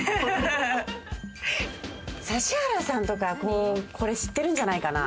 指原さんとか、これ知ってるんじゃないかな？